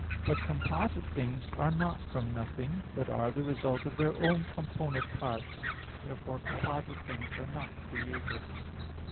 But composite things are not from nothing, but are the result of their own component parts. Therefore composite things are not created.